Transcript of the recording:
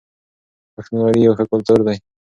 پښتونولي يو ښه کلتور دی.